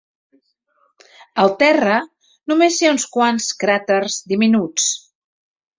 Al terra només hi ha uns quants cràters diminuts.